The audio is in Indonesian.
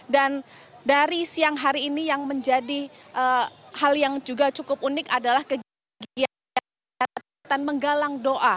dan dari siang hari ini yang menjadi hal yang juga cukup unik adalah kegiatan menggalang doa